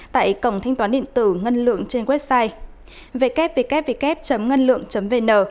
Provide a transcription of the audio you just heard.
tại cổng thanh toán điện tử ngân lượng trên website www ngânlượng vn